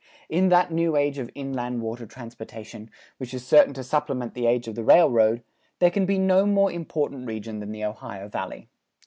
In that new age of inland water transportation, which is certain to supplement the age of the railroad, there can be no more important region than the Ohio Valley.